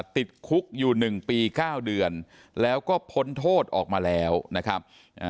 ติดคุกอยู่๑ปี๙เดือนแล้วก็พ้นโทษออกมาแล้วนะครับ